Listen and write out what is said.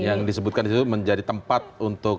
yang disebutkan itu menjadi tempat untuk